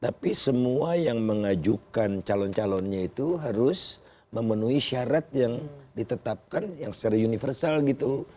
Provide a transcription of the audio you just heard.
tapi semua yang mengajukan calon calonnya itu harus memenuhi syarat yang ditetapkan yang secara universal gitu